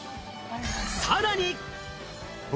さらに。